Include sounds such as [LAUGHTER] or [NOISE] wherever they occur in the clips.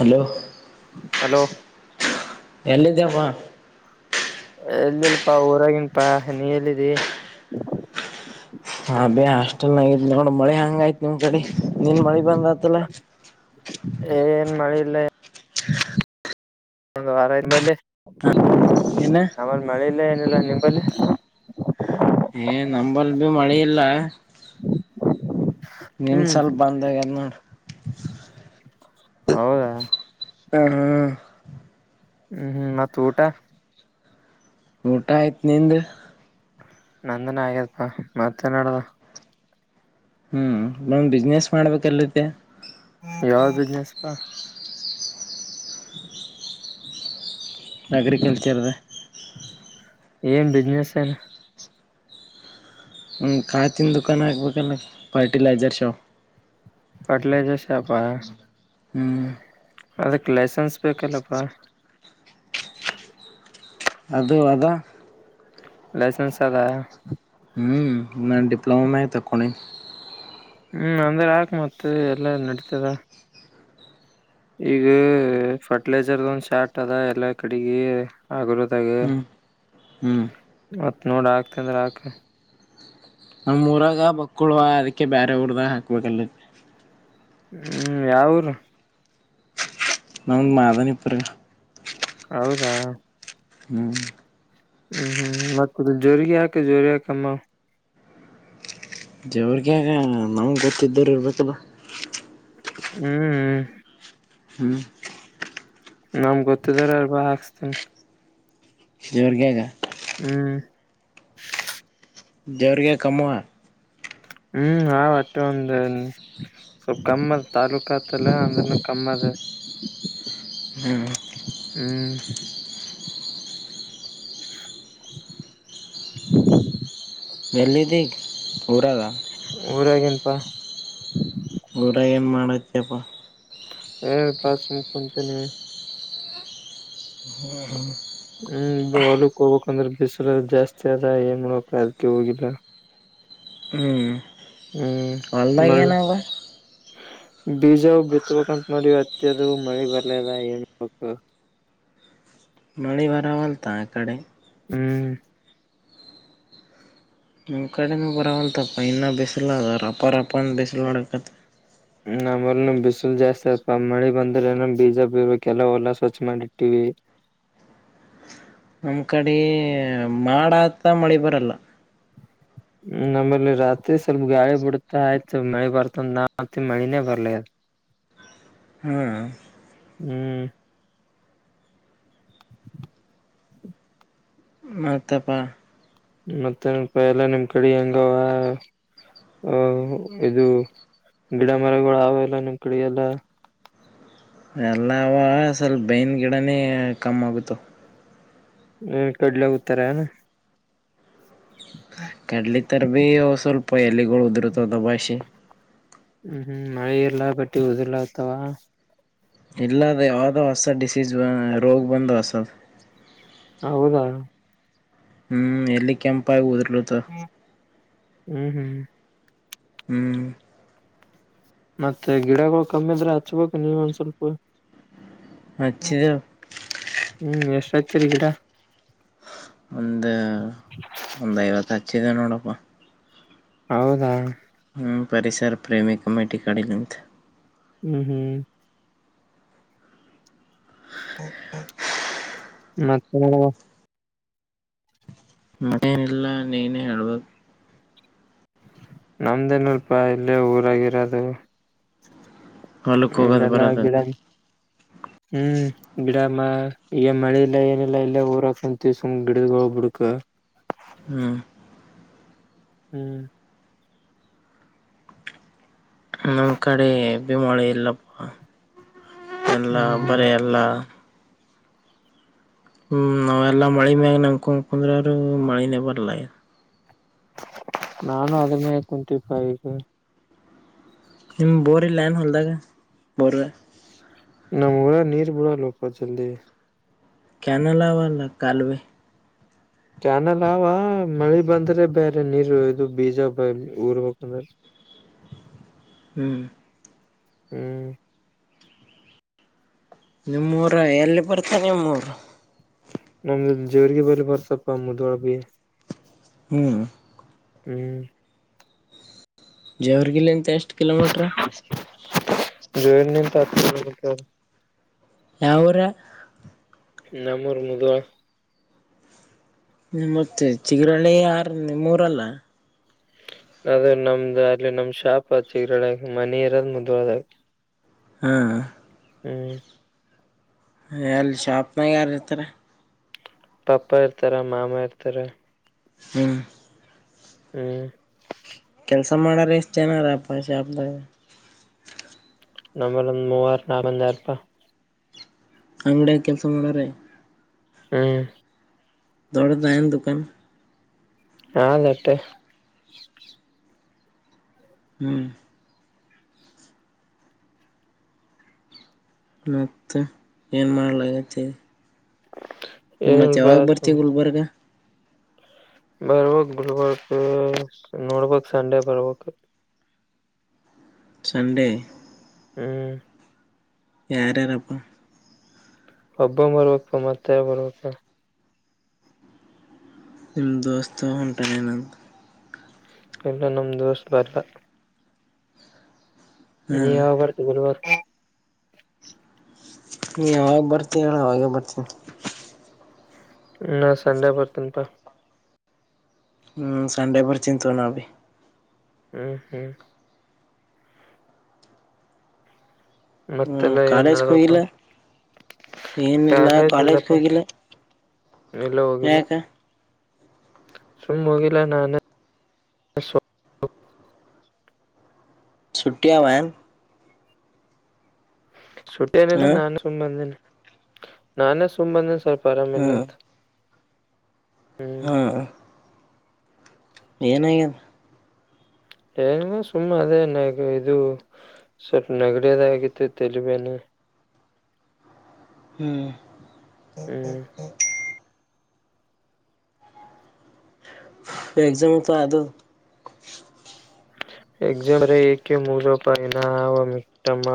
Hello [INAUDIBLE] hello ಎಲ್ಲಿದ್ದ್ಯಪ್ಪ ಎಲ್ಲಿಲ್ಪಾ ಊರಾಗಿನ್ಪಾ ನೀ ಎಲ್ಲಿದ್ದಿ ಹ ಬೇ ಹಾಸ್ಟೆಲ್ನಾಗಿದಿ ನೋಡ್ ಮಳೆ ಹಂಗಯ್ತ್ ನಿಮ್ ಕಡೆ ನೀನ್ ಮಳಿ ಬಂದ್ ಆತಲ್ಲ ಏನ್ [UNINTELLIGIBLE] ಒಂದು್ ವಾರಂಬಲ್ಲಿ ಏನ ನಮಲ್ಲಿ ಮಳೆ ಇಲ್ಲ ಏನಿಲ್ಲ ನಿಂಬಲ್ಲಿ ಹಏ ನಂಬಲ್ಭಿ ಮಳೆೆಯಲ್ಲ ನಿನ್ ಹ್ಮ್ ಸ್ವಲ್ಪ ಬಂದ ಎದ ನೋಡ ಹೌದಾ ಹ ಹಾ ಹ್ಮ್ ಹ್ಮ್ ಮತ್ತ ಊಟ ಊಟ ಆಯ್ತ್ ನಿಂದ ನಂದನ ಆಗ್ಯಪ್ಪಾ ಮತ್ತೆ ನಡ್ದ ಹ್ಮ್ ನನ್್ ಬಿಸ್ನೆಸ್ ಮಾಡ್ಬೇಕಲ್ಲತೆ ಯಾವ ಬಿಸ್ನೆಸ್ಪಾ ಅಗ್ರಿಕಲ್ಚರ್ ದು ಏನ್ ಬಿಿಸನೆಸ್ ಏನು ಹ್ಞ ಕಾತಿನ ದುಕಾನ ಹಾಬೇಕಲ್ಲ ಫರ್ಟಿಲೈಜರ್ ಶಾಪ್ ಪಾರ್ಟಿಲಿಜರ್ ಶಾಪ್ ಹಾ ಹ್ಮ್ ಅದಕ್ ಲೈಸೆನ್ಸ್ ಬೇಕಲ್ಲಪ್ಪಾ ಅದು ಅದ ಲೈಸೆನ್ಸ್ ಸಲ್ಲ ಹ್ಮ್ ನಾನ್ ಡಿಪ್ಲೊಮ ಆ್ ತಕ್ಕೋಣ ಹ್ಮ್ ಅಂದ್ರೆ ಆಕ್ ಮತ್ ಎಲ್ಲಾ ನಡತದ ಈಗ ಫರ್ಟಿಲೈಜರ್ ಒಂದ್ ಶಾರ್ಟ್ ಅದ ಎಲ್ಲಾ ಕಡೆಗೆ ಆಗರದಗರಿ ಹ್ಮ್ ಹ್ಮ್ ಮತ್ ನೋಡ ಹಾಕ್ತ ಅಂದ್ರೆ ಆಾಕ ನಮ್ಮೂರಾಗ ಬಕ್ಕಳುವ ಅದಕ್ಕೆ ಬೇರೆ ಊರದಾಗ ಹಾಕ್ಬೇಕಲ್ ಹ್ಮ್ ಯಾವೂರು ನಾಂದು ಮಾದಾನಪರ ಹೌದಾ ಹ್ಮ್ ಹ್ಮ್ ಹ್ಮ್ ಮ ಜೋರಿಾಕ ಜೋರಿಯ ಕಮ್ಮ ಜವ್ರಿಗೆ ನಮ್ಗೆ ಗೊತ್ತಿದ್ದರು ಇರ್ಬೇಕಲ್ಲ ಹ್ಮ್ ಹ್ಮ ಹ್ಮ್ ನಾಮ ಕೊತ್ತಿದರ ಆವರ್ಬ ಹಾಕ್ಸ್ತೀನಿ ಜೋರ್ಗೆಗಾ [UNINTELLIGIBLE] ಹ್ಮ್ ಜೋರುಗೆ ಕಾಮಾ [UNINTELLIGIBLE] ಹ್ಮ್ ಆ ಒಟ್ಟೆ ಒಂದು ಸ್ವಲ್ ಕಮ್ಮದ ತಾಲೂಕತ್ತಲ್ಲ ಅಂದ ಕಮ್ಮ ಅದ [UNINTELLIGIBLE] ಹಾ [UNINTELLIGIBLE] ಹ್ಮ [INAUDIBLE] ಹ್ಮ್ [INAUDIBLE] [UNINTELLIGIBLE] ಎಲ್ಲಿದಿ ಊರಾಗ ಊರಗಿ ಪ ಊರಗ್ ಏನ್ ಮಾಡದುೆಪ್ಪ ಹ ಬಸ್ [UNINTELLIGIBLE] ಮುಕಂತೀನ ಹ್ಮ ಹಾ [UNINTELLIGIBLE] ಹ್ಮ್ ಹೊಲಕ್ ಹೋಗ್ಬೇಕಕ್ಂದ್ರೆ ಬಿಸರ ಜಾಸ್ತಿ ಆದದ ಏನ್ ಮಾಡ್ಬೇಕಕ್ ಅದಕ ಹೋಗಿಲ್ಲ ಹ್ಮ್ ಹ್ಮ್ ಹೊಲದಾಗೇನವ್ವ ಬೀಜವು ಬಿತ್ಬೇಕಂತ ಮಾಡಿ ಅತ್ತ ಅದು ಮಳಿ ಬರ್ಲದ ಏನ್ಬೇಕು ಮಳಿ ಭರವಲ್ತಾ ಅ ಕಡೆ ಹ್ಮ್ ನಿಮ್ಮ ಕಡೆನೂ ಬರವಲ್ತಪ್ಪ ಇನ್ನು ಬಿಸಿಲು ಅದ ರಪ್ಪ ರಪ್ಪಂದ ಬಿಸಿಲುವಾಡಕತ್ತ ನಮಲ್ ಬಿಸಿಲು ಜಾಸ್ತಿ ಆಯತ್ ಮಳಿ ಬಂದ್ರೆನ ಬೀಜ ಬೀರ್ಬೇಕ ಎಲ್ಲ ಹೊಲಾ ಸ್ವಚ್ ಮಾಡಿ ಇಟ್ಟಿವವಿ [UNINTELLIGIBLE] ನಮ್ ಕಡೆ ಮಾಡಾತ ಮಳೆ ಬರಲ್ಲ ್ಮ [UNINTELLIGIBLE] ನಮ್ಮೇಲ್ಲಿ ರಾತ್ರಿ ಸ್ವಲ್ಪ ಗಾಳಿ ಬಿಡುತ್ತ ಆಯ್ತು ಮಳಿ ಬರ್ತಂದ ನಾ ಮತ್ತ ಮಳಿನೇ ಬರ್ಲ ಹ್ಮ್ ಹ್ಮ್ ಮತ್ತೆ ಪಾ ಮತ್ತೆಪ ಎಲ್ಲ ನಿಮ್ ಕಡೆ ಹೆಂಗವ ಹಹ ಇದು ಗಿಡ ಮರಗಳು ಅವೆಲ್ಲ ನಿಮ್ಮ ಕಡೆ ಎಲ್ಲ ಎಲ್ಲವ ಸ್ವಲ್ಪ ಬೇವಿನ್ ಗಿಡನೇ ಕಮ್ಮ ಆಗುತ್ತು ಹ್ಮ್ ಕಡ್ಲ [UNINTELLIGIBLE] ಉತರ ಹ [UNINTELLIGIBLE] ಕಡ್ಲಿಿತ [UNINTELLIGIBLE] ರ ಭೀ ಸ್ವಲ್ಪ ಎಲೆಗಳು ಉದುರುತವದ ಭಾಷೆ ಹ್ಮ್ ಹ್ಮ್ ಮಳೆ ಇಲ್ಲ ಬಟ್ಟಿ ಹದಿಲ್ಲ ಆತವಾ ಇಲ್ಲ ಅದ ಯಾವ್ದೋ ಹೊಸ ಡಿಸೀಸ್ ರೋಗ್ ಬಂದು ಹಸದ ಹೌದಾ ಹ್ಮ್ ಎಲ್ಲಿ ಕೆಂಪಾಯ ಉದರ್ಲುತ [UNINTELLIGIBLE] ಹ್ಮ್ ಹ್ಮ್ ಹ್ಮ್ ಮತ್ತೆ ಗಿಡಗಳು ಕಮ್ಮಿದ್ರೆ ಹಚ್ಬೇಕು ನೀವ ಒಂದ್ ಸ್ವಲ್ಪ ಹ್ಮ ಹಚ್ಚಿದೆವು ಹ್ಮ್ ಎಷ್ಟ್ ಹಚ್ಚಿದಿ ಗಿಡ ಒಂದ ಒಂದ್ ಐವತ್ ಹಚ್ಚಿದೆ ನೋಡಪ್ಪ ಹೌದಾ ಹ್ಞ ಪರಿಸರ ಪ್ರೇಮಿ ಕಮೇಟಿ ಕಡೆ ನಮ್ದು ಹ್ಮ್ ಹ್ಮ್ ಹ್ಮ ಹಾ [UNINTELLIGIBLE] ಮತ್ತೆ ಮತ್ತೇನಿಲ್ಲ ನೀನೇ ಹೇಳ್ಬೇಕು ನಮ್ದೇನಪ್ಪಾ ಇಲ್ಲೇ ಊರಾಗಿರೋದು ಹಲುಕ್ಕ ಹೋಗೋದು ಇಲ್ಲೆಲ್ಲಾ ಬರೋದು ಗಿಡ ಹ್ಮ್ ಗಿಡ ಮ ಈಗ ಮಳೆ ಇಲ್ಲ ಏನಿಲ್ಲಾ ಇಲ್ಲ ಊರ ಹಾಕೊಂಡ ತಸಕ ಗಿಡದ ಹೋಗ್ಬಿಡ್ಕ್ ಹ್ಮ್ ಹ್ಮ್ ನಮ್ಮ್ ಕಡೆ ಹೆವಿ ಮಳೆ ಇಲ್ಲಪ್ಪ ಅಲ್ಲ ಹ್ಮ್ ಹ್ಮ್ ಬರ ಅಲ್ಲ ಹ್ಮ್ ನಾವೆಲ್ಲಾ ಮಳೆ ಮ್ಯಾಗ ನಮ್ಕೆಂಡ್ ಕುಂದ್ರ ಅವರು ಮಳಿನೇ ಬರ್ಲ ನಾನು ಅದನ್ನೇ ಟ್ವೆಂಟಿ ಫೈ ನಿಮ್ಮ ಬೋರಿ ಇಲ್ಲೈನ್ ಹೊಲ್ದಾಗ ಬೋರ್ ನಮ್ ಊರ ನೀರ ಬಿಳವಲ್ವಾ ಅಪ್ಪ ರ್ಜಲ್ದಿ ಕನಲ್ಲಾವಲ್ಲ ಕಾಲುವೇ ಕ್ಯಾನಲ್ ಅವವಾ ಮಳೆ ಬಂದ್ರೆ ಬೇರೆ ನೀರು ಇದು ಬೀಜ ಊರ್ ಹಂದ್ರೆ ಹ್ಮ್ ಹ್ಮ್ ನಿಮ್ಮೂರ ಎಲ್ಲಿ ಬರ್ತ ನಿಮ್ಮೂರು ನಮ್ದ ಜೇವರಿಗೆ ಬ ಬರತಪ್ಪ ಮುದ್ವಾಳ ಬಿ ಹ್ಮ್ ಹ್ಮ್ ಜವರ್ಗಿಲ್ಲಿ ಅಂತ ಎಷ್ಟು ಕಿಲೋಮೀಟ್ರ ಜವರಿಗಿಂತ ಹತ್ತು ಕಿಲೋಮಿಟರ್ ಯಾವೂರ. ನಮ್ಮರ್ ಮುಧೋಳ ಮತ್ತೆ ಚಿಗರುಹಳ್ಳಿ ಆರ್ ನಿಮ್ಮೂರಲ್ಲ. ಅದು ನಮ್ದು ಅಲ್ಲಿ ನಮ್ ಶಾಪ್ ಹ ಚಿಗ ಮನೆ ಇರೋದ್ ಮುದ್ಳ್ ದಲ್ಲಿ. ಹಾ. ಹ್ಮ್. ಎ ಅಲ್ಲಿ ಶಾಪ್ನಾಗ ಯಾರ ಇರ್ತಾರ. ಪಪ್ಪ ಇರ್ತಾರ ಮಾಮ ಇರ್ತಾರ. ಹ್ಮ್. ಹ್ಮ್. ಕೆಲಸ ಮಾಡಾರ ಎಷ್ಟು ಜನಾರ ಅಪ್ಪ ಸ್ಯಪದಗ ನಮ್ಮಲ್ಲಿ ಒಂದು ಮೂವರ ನಾಲ್ವರು ಇರುತ್ತಾರೆ. ಅಂಗಡಿ ಕೆಲಸ ಮಾಡಾರೆ. ಹ್ಮ್. ದೊಡ್ಡದೇನು ದುಃಖಾನ ಹಾ ಲಟ್ಟೆ. ಹ್ಮ್. ಮ ಮತ್ತೆಏನು ಮಾಡಲಾಗತ್ತ. ನಿಮ್ಮತ್ತೆ ಏನಿಲ್ಪ ಯಾವಾಗ್ ಸುಮ್ ಬರ್ತವಿ ಗುಲ್ಬರ್ಗ. ಬರ್ಬಕ್ ಗುಲ್ಬರ್ಕ್ ನೋಡ್ಬ ಸಂಡೆ ಬರ್ಬೇಕಕ್. ಸಂಡೆ. ಹ್ಮ್. ಯರೇನಪ್ಪ. ಹಬ್ಬ ಬರಬೇಕಪ್ಪ ಮತ್ತೆ ಬರ್ಬೇಕತ್ತ. ನಿಮ್ಮ ದೋಸ್ತ ಹೊಂಟಾನೇ ನಂತ. ಇಲ್ಲ ನಮ ದೋಸ್ ಬರ್ಲ್ಲ. ಹಾ ನೀ ಯಾವಾಗ ಬರ್ತಿ ಗುರುವಾರ. ನೀ ಯಾವಾಗ ಬರ್ತಿ ಹೇಳ ಅವಾಗೇ ಬರ್ತೀನಿ. ನಾ ಸಂಡೆ ಬರ್ತೀನಪಾ. ಹ್ಮ್ ಸಂಡೆ ಬರ್ತಿ ತಗೋ ನಾ ಭಿ. ಹ್ಮ್ ಹ್ಮ್. ಹ ಮತ್ತೆಲ್ಲ ಏನ್ ಕಾಲೇಜ ನಡದಪ್ಪ ಹೋಗಿಲ್ಲ ಏನಿಲ್ಲ ಕಾಲೇಜ ಹೋಗಿಲ್ಲ. ಇಲ್ಲ ಹೋಗಿಲ್ಲ. ಯಾಕ ಸುಮ್ನೆ ಹೋಗಿಲ್ಲ ನಾನೇ ನಾನ ಸ್. ಸೂಟ್ಟ ವ್ಯಾನ್. ಸುಟ್ಟಿ ನಿಲ್ಲ ಹ್ಮ್ ನಾನು ಸುಂಬ ಬಂದನಿ ನಾನೇ ಸುಂಬ್ ಬಂದೇನಿ ಸ್ವಲ್ಪ ಆರಾಮಿಲ್ಲ ಅಂತ. ಹ್ಮ್ ಹ್ಮ. ಏನಾಗ್ಯ. ಏನ್ ಸುಮ್ಮ ಅದೇ ನಗ ಇದು ಸ್ವಲ್ಪ ನಗಡಿಯದ ಆಗಿತ್ತು ತಲಿಬೇನೆ. ಹ್ಮ್. ಹ್ಮ್ ಎಗಜಾಮ ತ ಆದು. ಎಕ್ಾಮ ರ ಎೆ ಮುಪಾಯನಾ ಹವ ಮ.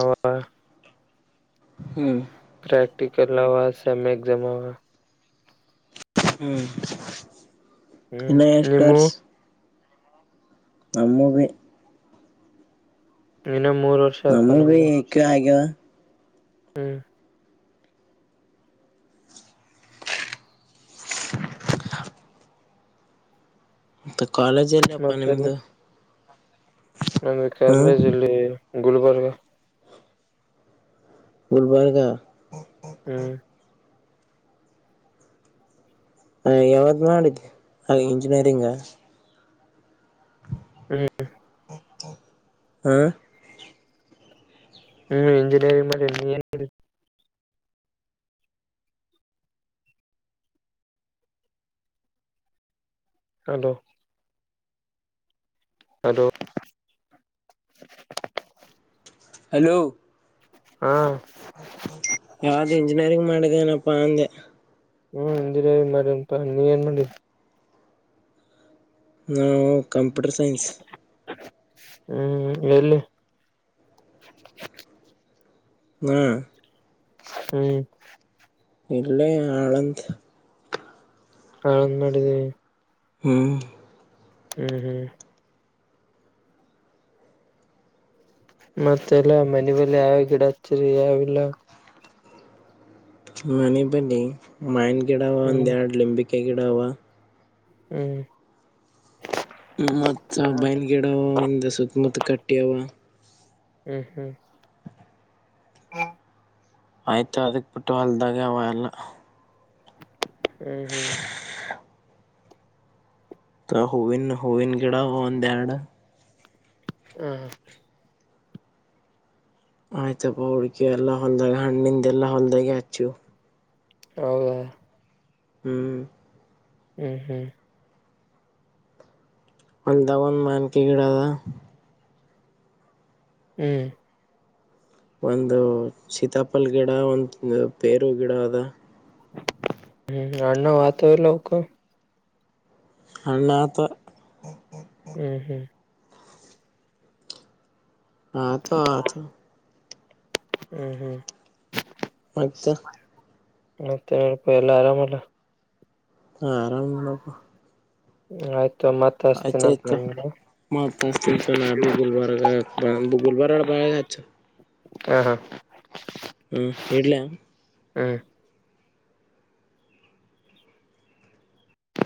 ಹ್ಮ್. ಪ್ರೆಕ್ಟಿಕಲ್ ಆ ಸೆಮ ಎಕ್ಸಾಮ್ ಅವ. ಹ್ಮ ಹ್ಮ್ ಇನ್ನ ನಿಮ್ಮು ಸ್ಟರ್ಸ್. ನಮ್ಮಗೆ. ಇನ್ನ ಮೂರ್ ವರ್ಷ ಆಯ್ತ ಅಮಗೂ ನಮ್ದು ಐಕೆ ಅಗವ. ಹ್ಮ್. ಮತ್ತ ಕಾಲೇಜ್ ಎಲ್ಲಪ್ಪ ನಿಮದು. ನಮ ಕರಳ ಜಿಲ್ಲೆ ಗುಲ್ಬರ್ಗ ಬುಲ್ಬರ್ಗಾ ಹ್ಮ್ ಹ ಯಾವ್ದ ಮಾಡಿದ್ ಆ ಇಂಜಿನಿಯರಿಂಗ ಹ್ಮ್ ಹಾ ಹ್ಮ್ ಎಂಜಿನಿಯರಿಂಗ ಮಾಡ ಎ ಅಲೋ ಅದು ಹಲೋ ಹಾ ಯಾವ್ದು ಇಂಜಿನಿಯರಿಂಗ್ ಮಾಡಿದೇನಪ್ಪಾ ಅಂದೆ ಹ್ಮ್ ಅಂದಿರ ಮಾಡಂತ ನೀ ಏನ್ ಮಾಡಿ ನಾವು ಕಂಪ್ಯೂಟರ್ ಸೈನ್ಸ್ ಹ್ಮ್ ಎಲ್ಲಿ ಹ್ಮ ಹ್ಮ್ ಇಲ್ಲೇ ಆಳಂತ ಹಾಳಂದ್ ಮಾಡಿದವಿ ಹ್ಮ್ ಹ್ಮ್ ಹ್ಮ್ ಮತ್ತೆಲ್ಲ ಮನೆಲೆ ಯಾವ ಗಿಡ ಹಚ್ಚರಿ ಯಾವಿಲ್ಲ ಮನೆ ಬಲಿಿ ಮಯನ್ ಗಿಡವ ಒಂದ್ ಹ್ಮ್ ಎರಡ್ ಲಿಂಬಿಕೆ ಗಿಡವ ಹ್ಮ್ ಮತ್ತ ಬೈನ್ ಗಿಡವ ಒಂದ ಸುತ್ತಮುತ್ತ ಕಟ್ಟಿವ ಹ್ಮ್ ಹ್ಮ್ ಹಾ ಆಯ್ತು ಅದಕ್ ಬಿಟ್ಟು ಅಲ್ದಾಗ ಅವ ಎಲ್ಲ ಹ್ಮ್ ಹ್ಮ್ ಹವನ್ ಹವನ್ ಕೆಡ ನ್ ದ್ಯಾಡ ಹಾ ಆಯ್ತಪ್ಪ ಹುಡುಕಿ ಎಲ್ಲಾ ಹೊಂದಾಗ ಹಣ್ಣಿಂದೆಲ್ಲಾ ಹೊಂದಾಗಿ ಹಚ್ಚು ಹೌದಾ ಹ್ಮ್ ಹ್ಮ್ ಹ್ಮ್ ಒಂದು ದಗನ್ ಮಾನ್ಕೆ ಗಿಡದ ಹ್ಮ್ ಒಂದು ಸೀತಾಪಲ್ ಗಿಡ ಒಂದು ಪೇರು ಗಿಡ ಅದ ಹ್ಮ್ ಅಣ್ಣ ವತವೆ ಲೌಕ ಅಲ್ಲತ ಹ್ಮ್ ಹ್ಮ್ ಆತ ಆತ ಹ್ಮ್ ಹ್ಮ್ ಮತ್ತ ಮತ್ತೆ ಏನ ಪಾ ಎಲ್ಲ ಆರಾಮಲ್ಲ. ಹು ಆರಾಮ ಬಿಡಪ್ಪ ಆಯ್ತು ಮತ್ ಹಸ್ತೇನಂತ ಆಯ್ತಾಆಯ್ತು ಮತ್ಸ್ ಹಚ್ಚಿತೀನಿ ನಾ ಬಿೀ ಗುಲ್ಬರ್ಗ ಭೂಗುಲ್ಬಾರಡ ಬಾಯಗ್ ಹಚ್ [INAUDIBLE] ಹ ಹಾ ಹ್ಮ್ ಇಡಲೇ ಹ್ಮ್